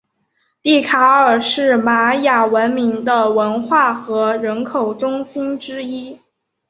蒂卡尔是玛雅文明的文化和人口中心之一。